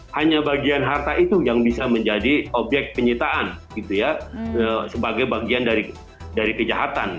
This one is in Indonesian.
hanya bagian harta itu yang bisa menjadi obyek penyitaan gitu ya sebagai bagian dari kejahatan